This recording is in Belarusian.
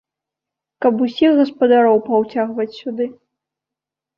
Каб усіх гаспадароў паўцягваць сюды.